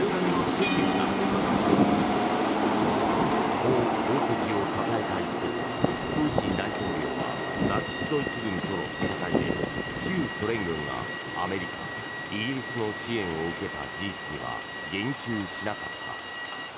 こう功績をたたえた一方プーチン大統領はナチス・ドイツ軍との戦いで旧ソ連軍がアメリカ、イギリスの支援を受けた事実には言及しなかった。